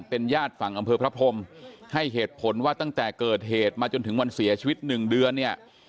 เป็นญาติฝั่งอำเภอพระพรมให้เหตุผลว่าตั้งแต่เกิดเหตุมาจนถึงวันเสียชีวิตหนึ่งเดือนเนี่ย